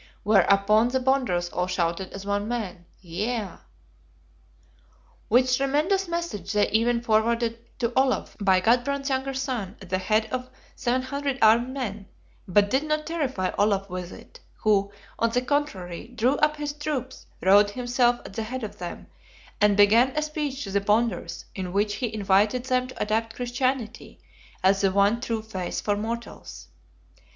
Whereupon the Bonders all shouted as one man, "Yea!" Which tremendous message they even forwarded to Olaf, by Gudbrand's younger son at the head of 700 armed men; but did not terrify Olaf with it, who, on the contrary, drew up his troops, rode himself at the head of them, and began a speech to the Bonders, in which he invited them to adopt Christianity, as the one true faith for mortals.